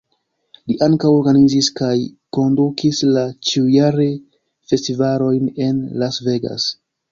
Li ankaŭ organizis kaj kondukis la ĉiujare festivalojn en Las Vegas.